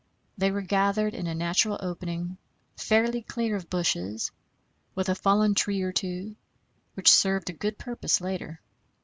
They were gathered in a natural opening, fairly clear of bushes, with a fallen tree or two, which served a good purpose later.